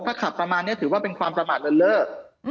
ถ้าขับประมาณนี้ถือว่าเป็นความประมาทเลินเลิศ